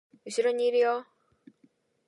後ろにいるよ